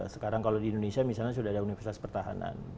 sekarang kalau di indonesia misalnya sudah ada universitas pertahanan